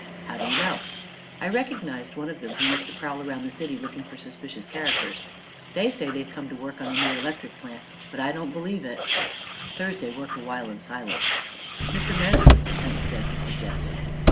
"How do you know?" "I recognized one of them, who used to prowl around the city looking for suspicious characters. They say they've come to work on the new electric plant, but I don't believe it." Thursday worked a while in silence. "Mr. Merrick must have sent for them," he suggested.